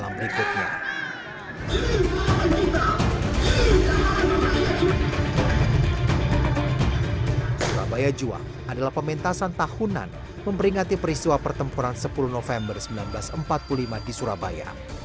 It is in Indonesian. surabaya juang adalah pementasan tahunan memperingati peristiwa pertempuran sepuluh november seribu sembilan ratus empat puluh lima di surabaya